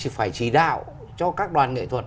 phải chỉ đạo cho các đoàn nghệ thuật